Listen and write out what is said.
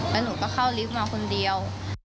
แล้วหนูก็เข้าลิฟต์มาคนเดียว